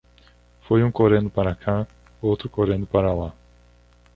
Foi um correndo pra cá, outro correndo pra lá.